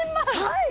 はい！